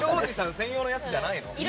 専用のやつじゃないの？